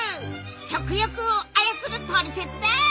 食欲を操るトリセツだ！